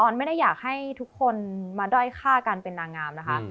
ไม่ได้อยากให้ทุกคนมาด้อยฆ่ากันเป็นนางงามนะคะ